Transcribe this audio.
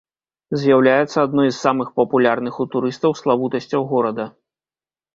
З'яўляецца адной з самых папулярных у турыстаў славутасцяў горада.